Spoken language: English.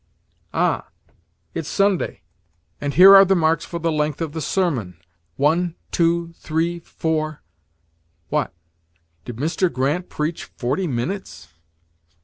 "Ah it's Sunday, and here are the marks for the length of the sermon one, two, three, four what! did Mr. Grant preach forty minutes?"